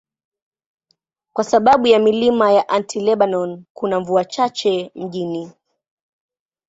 Kwa sababu ya milima ya Anti-Lebanon, kuna mvua chache mjini.